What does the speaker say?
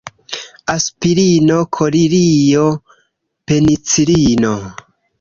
Aspirino, kolirio, penicilino.